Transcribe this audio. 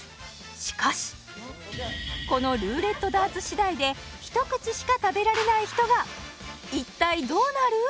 しかしこのルーレットダーツ次第で一口しか食べられない人が一体どうなる？